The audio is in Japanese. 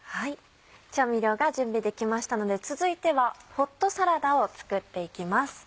調味料が準備できましたので続いてはホットサラダを作っていきます。